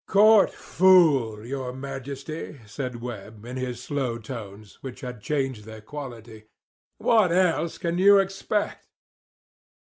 "Court fool, your Majesty," said Webb, in his slow tones, which had changed their quality. "What else can you expect?